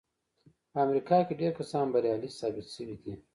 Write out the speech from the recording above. په امريکا کې ډېر کسان بريالي ثابت شوي دي.